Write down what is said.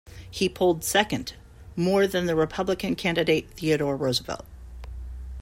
He polled second, more than the Republican candidate Theodore Roosevelt.